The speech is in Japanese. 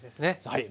はい。